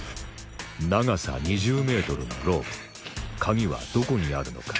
長さ２０ｍのロープカギはどこにあるのか？